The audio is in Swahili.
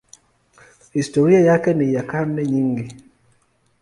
Historia yake ni ya karne nyingi.